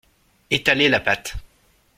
Etaler la pâte